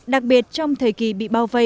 đặc biệt trong thời kỳ bị bao vây